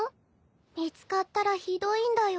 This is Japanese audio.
見つかったらひどいんだよ。